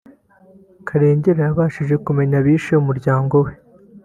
Karengera yabashije kumenya abishe umuryango we